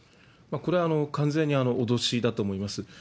これは完全に脅しだと思います。